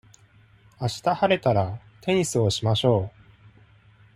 あした晴れたら、テニスをしましょう。